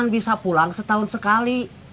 bisa pulang setahun sekali